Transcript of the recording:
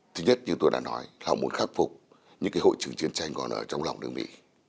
thứ nhất như tôi đã nói họ muốn khắc phục những hội trưởng chiến tranh có ở trong lòng nước mỹ